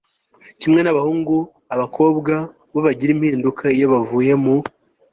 kimwe n'abahungu, abakobwa na bo bagira mpinduka, iyo bavuye mu